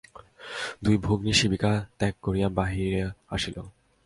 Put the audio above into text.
দুই ভগ্নী শিবিকা ত্যাগ করিয়া বাহিরে আসিল।